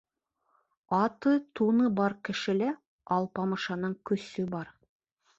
Аты-туны бар кешелә Алпамышаның көсө бар.